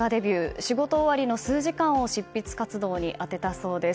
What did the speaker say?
仕事終わりの数時間を執筆に充てたそうです。